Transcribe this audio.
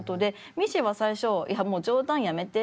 ミッシーは最初「いやもう冗談やめて」って。